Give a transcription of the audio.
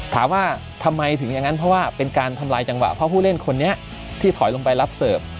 ถามว่าทำไมถึงอย่างนั้นเพราะว่าเป็นการทำลายจังหวะเพราะผู้เล่นคนนี้ที่ถอยลงไปรับเสิร์ฟ